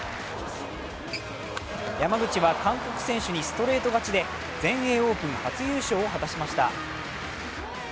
山口は韓国選手にストレート勝ちで全英オープン初優勝を果たしました。